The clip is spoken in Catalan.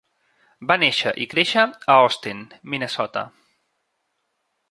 Va néixer i créixer a Austin, Minnesota.